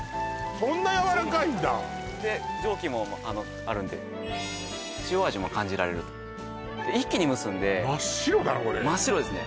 そんなで蒸気もあるんで塩味も感じられると一気に蒸すんで真っ白だなこれ真っ白ですね